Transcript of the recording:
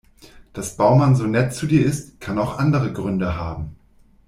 Dass Baumann so nett zu dir ist, kann auch andere Gründe haben.